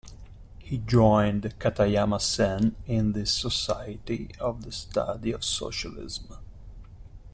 He joined Katayama Sen in the "Society of the Study of Socialism".